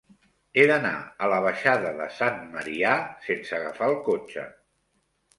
He d'anar a la baixada de Sant Marià sense agafar el cotxe.